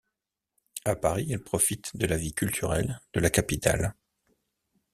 À Paris, elle profite de la vie culturelle de la capitale.